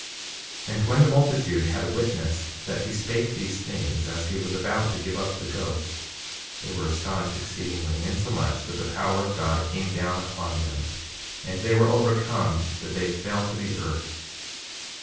7:21 And when the multitude had witnessed that he spake these things as he was about to give up the ghost, they were astonished exceedingly; insomuch that the power of God came down upon them, and they were overcome that they fell to the earth.